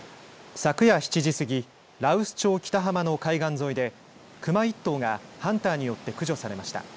昨夜７時過ぎ羅臼町北浜の海岸沿いでクマ１頭がハンターによって駆除されました。